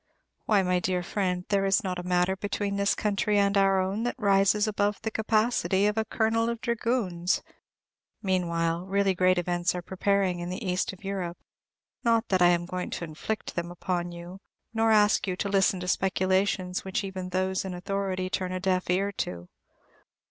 why, my dear friend, there is not a matter between this country and our own that rises above the capacity of a Colonel of Dragoons. Meanwhile really great events are preparing in the East of Europe, not that I am going to inflict them upon you, nor ask you to listen to speculations which even those in authority turn a deaf ear to.